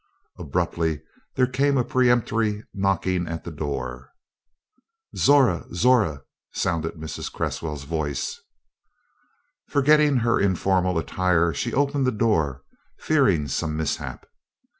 Abruptly there came a peremptory knocking at the door. "Zora! Zora!" sounded Mrs. Cresswell's voice. Forgetting her informal attire, she opened the door, fearing some mishap.